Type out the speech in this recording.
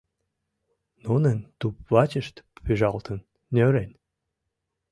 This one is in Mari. Нунын туп-вачышт пӱжалтын, нӧрен.